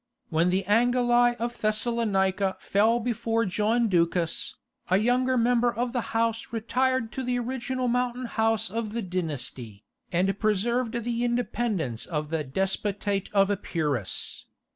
When the Angeli of Thessalonica fell before John Ducas, a younger member of the house retired to the original mountain house of the dynasty, and preserved the independence of the "Despotate of Epirus."